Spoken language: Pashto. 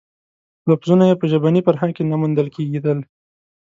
لفظونه یې په ژبني فرهنګ کې نه موندل کېدل.